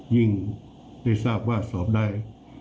ยิ่งได้ทราบว่าสอบได้